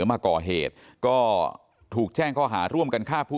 มีรถกระบะจอดรออยู่นะฮะเพื่อที่จะพาหลบหนีไป